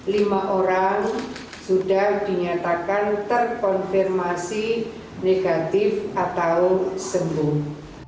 lima orang sudah dinyatakan terkonfirmasi negatif atau sembuh